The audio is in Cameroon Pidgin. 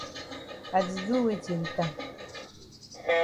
I di do weti wit am?